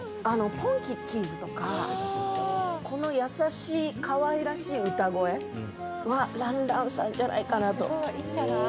「ポンキッキーズ」とかこの優しいかわいらしい歌声は蘭々さんじゃないかなといいんじゃない？